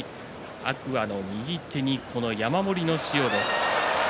天空海の右手に山盛りの塩です。